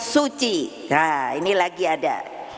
suci nah ini lagi ada